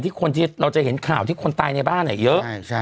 คนที่เราจะเห็นข่าวที่คนตายในบ้านเยอะ